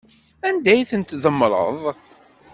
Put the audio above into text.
Anda ay tent-tdemmreḍ?